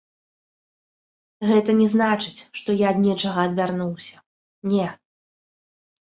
Гэта не значыць, што я ад нечага адвярнуўся, не.